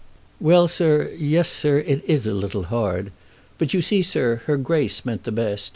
"Well, sir; yes, sir; it is a little hard. But, you see, sir, her Grace meant the best.